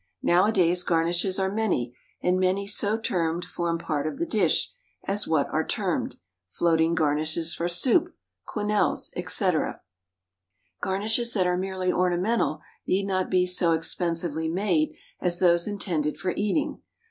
Nowadays garnishes are many, and many so termed form part of the dish, as what are termed, "floating garnishes for soup," quenelles, etc. Garnishes that are merely ornamental need not be so expensively made as those intended for eating.